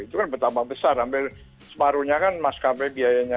itu kan betapa besar hampir separuhnya kan maskapai biayanya